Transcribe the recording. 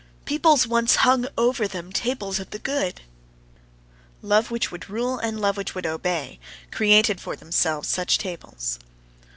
Peoples once hung over them tables of the good. Love which would rule and love which would obey, created for themselves such tables.